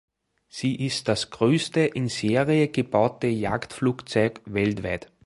Sie ist das größte in Serie gebaute Jagdflugzeug weltweit.